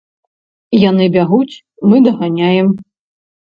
Яны бягуць, мы даганяем.